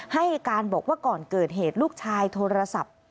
ให้การบอกว่าก่อนเกิดเหตุลูกชายโทรศัพท์